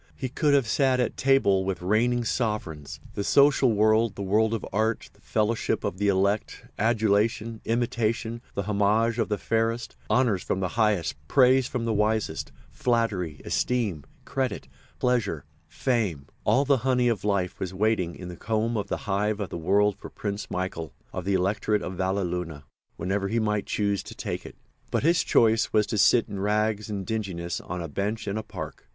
He could have sat at table with reigning sovereigns. The social world, the world of art, the fellowship of the elect, adulation, imitation, the homage of the fairest, honours from the highest, praise from the wisest, flattery, esteem, credit, pleasure, fame—all the honey of life was waiting in the comb in the hive of the world for Prince Michael, of the Electorate of Valleluna, whenever he might choose to take it. But his choice was to sit in rags and dinginess on a bench in a park.